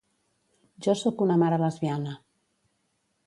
Jo sóc una mare lesbiana.